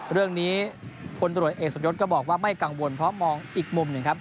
เรื่องนี้พลตรวจเอกสมยศก็บอกว่าไม่กังวลเพราะมองอีกมุมหนึ่งครับ